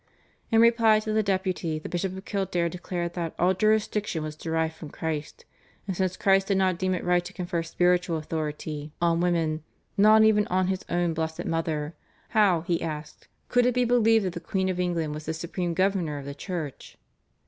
In reply to the Deputy the Bishop of Kildare declared that all jurisdiction was derived from Christ, "and since Christ did not deem it right to confer spiritual authority on women, not even on His own Blessed Mother, how, he asked, could it be believed that the Queen of England was the supreme governor of the Church?"